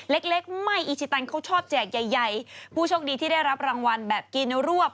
เล็กเล็กไม่อีชิตันเขาชอบแจกใหญ่ใหญ่ผู้โชคดีที่ได้รับรางวัลแบบกินรวบ